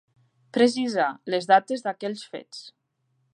Precisar les dates d'aquells fets.